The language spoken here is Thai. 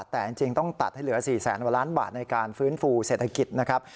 แต่จริงต้องตัดให้เหลือ๔แสนกว่าล้านบาทในการฟื้นฟูเศรษฐกิจนะครับ